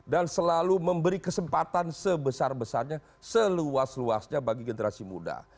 dan selalu memberi kesempatan sebesar besarnya seluas luasnya bagi generasi muda